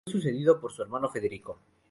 Fue sucedido por su hermano Federico.